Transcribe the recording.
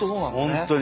本当に。